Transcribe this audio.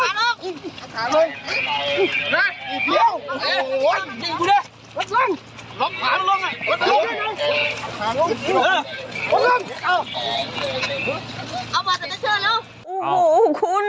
หูหูคุณ